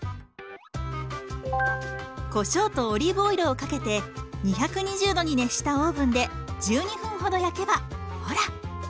こしょうとオリーブオイルをかけて２２０度に熱したオーブンで１２分ほど焼けばほら。